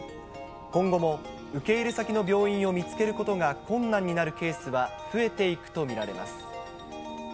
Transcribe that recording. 今後も受け入れ先の病院を見つけることが困難になるケースは、増えていくと見られます。